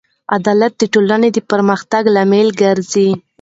عدالت د ټولنې د پرمختګ لامل ګرځي.